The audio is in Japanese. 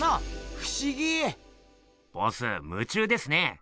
ふしぎ！ボス夢中ですね。